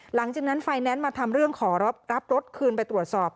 หลังจากนั้นไฟแนนซ์มาทำเรื่องขอรับรถคืนไปตรวจสอบ